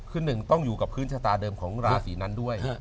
คือหนึ่งต้องอยู่กับพื้นชะตาเดิมของราศีนั้นด้วย